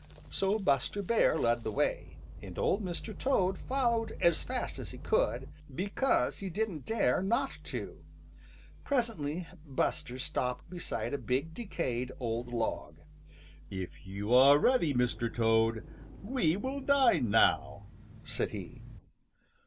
So Buster Bear led the way, and Old Mr. Toad followed as fast as he could, because he didn't dare not to. Presently Buster stopped beside a big decayed old log. "If you are ready, Mr. Toad, we will dine now," said he.